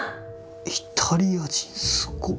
イタリア人すごっ！